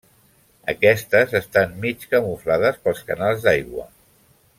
Aquestes estan mig camuflades pels canals d'aigua.